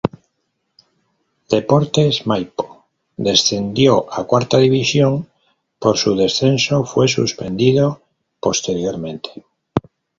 Deportes Maipo descendió a Cuarta División pero su descenso fue suspendido posteriormente.